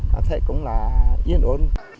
nó sẽ cũng là yên ổn